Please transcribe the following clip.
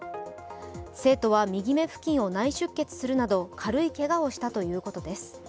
生徒は右目付近を内出血するなど軽いけがをしたということです。